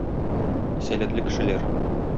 Сәләтле кешеләр